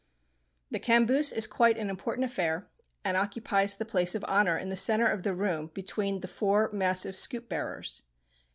The "camboose" is quite an important affair, and occupies the place of honour in the centre of the room between the four massive scoop bearers.